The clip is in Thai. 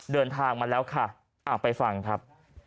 เดินทางมาแล้วค่ะไปฟังครับ